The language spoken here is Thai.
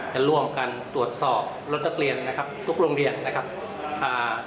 จะรวมกันตรวจสอบรถนักเรียนทุกโรงเรียนค่ะ